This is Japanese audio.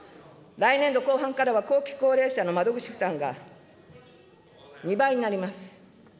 来年度後半からは後期高齢者の窓口負担が２倍になります。